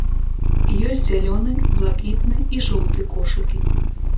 Ёсць зялёны, блакітны і жоўты кошыкі.